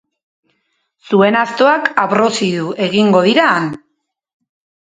Zuen astoak abrozidu egingo dira han.